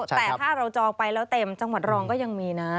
แต่ถ้าเราจองไปแล้วเต็มจังหวัดรองก็ยังมีนะ